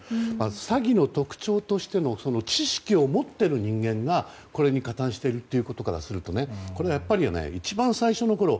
詐欺の特徴としての知識を持っている人間が加担していることからするとこれはやっぱり一番最初のころ